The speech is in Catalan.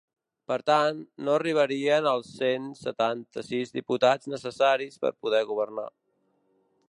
Per tant, no arribarien als cent setanta-sis diputats necessaris per poder governar.